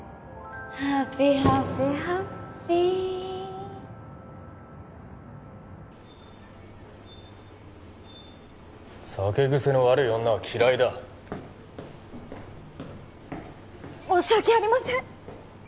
ハピハピハッピー酒癖の悪い女は嫌いだ申し訳ありません